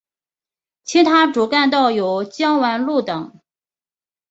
其他主干道有江湾路等。